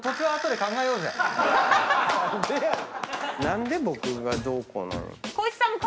何で僕がどうこう。